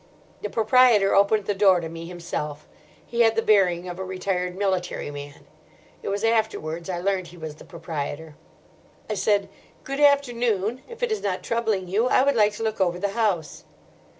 The proprietor opened the door to me himself. He had the bearing of a retired military man. It was afterwards I learnt he was the proprietor. "I said, 'Good afternoon; if it is not troubling you, I would like to look over the house.